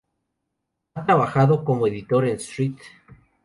Ha trabajado como editor en "St.